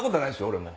俺も。